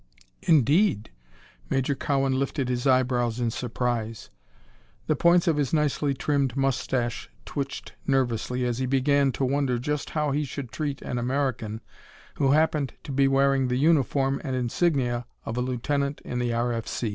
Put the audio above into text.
"Indeed?" Major Cowan lifted his eyebrows in surprise. The points of his nicely trimmed moustache twitched nervously as he began to wonder just how he should treat an American who happened to be wearing the uniform and insignia of a lieutenant in the R.